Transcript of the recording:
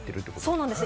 そうなんです。